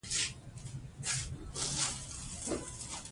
د دښمن په اسارت کښي راګیرېدل هم سړى کله – کله حيران کي.